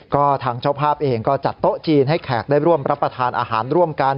ก็ทางเจ้าภาพเองก็จัดโต๊ะจีนให้แขกได้ร่วมรับประทานอาหารร่วมกัน